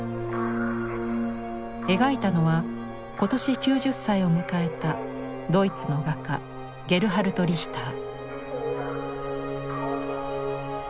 描いたのは今年９０歳を迎えたドイツの画家ゲルハルト・リヒター。